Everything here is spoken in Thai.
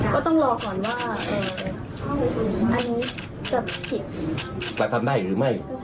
ก็ต้องรอก่อนว่าอันนี้จะผิดจะทำได้หรือไม่